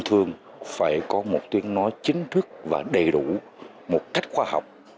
theo ý kiến của cử tri và nhiều đại biểu quốc hội